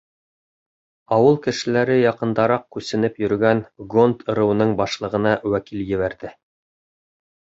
Ауыл кешеләре яҡындараҡ күсенеп йөрөгән гонд ырыуының башлығына вәкил ебәрҙе.